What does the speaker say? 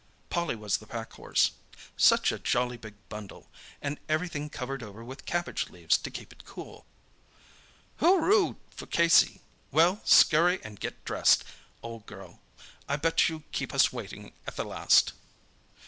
Polly was the packhorse. "Such a jolly, big bundle—and everything covered over with cabbage leaves to keep it cool." "Hooroo for Casey! Well, scurry and get dressed, old girl. I bet you keep us waiting at the last."